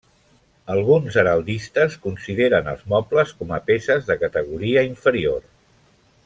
Alguns heraldistes consideren els mobles com a peces de categoria inferior.